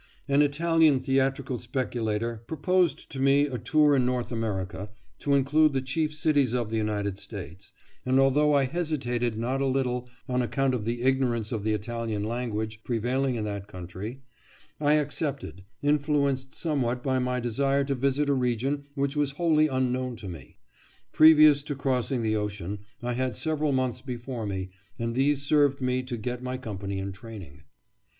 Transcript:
An Italian theatrical speculator proposed to me a tour in North America, to include the chief cities of the United States, and although I hesitated not a little on account of the ignorance of the Italian language prevailing in that country, I accepted, influenced somewhat by my desire to visit a region which was wholly unknown to me. Previous to crossing the ocean I had several months before me, and these served me to get my company in training.